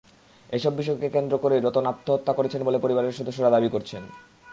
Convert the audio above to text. এসব বিষয়কে কেন্দ্র করেই রতন আত্মহত্যা করেছেন বলে পরিবারের সদস্যরা দাবি করছেন।